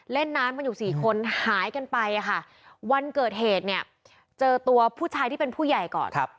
เล่นน้ำกันอยู่สี่คนหายกันไปค่ะวันเกิดเหตุเนี่ยเจอตัวผู้ชายที่เป็นผู้ใหญ่ก่อน